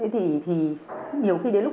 thì nhiều khi đến lúc